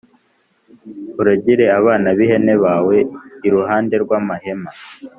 Uragire abana b ihene bawe iruhande rw amahema